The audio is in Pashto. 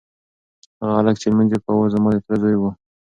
هغه هلک چې لمونځ یې کاوه زما د تره زوی و.